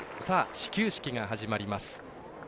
始球式が始まります。